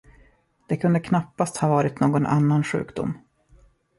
Det kunde knappast ha varit någon annan sjukdom.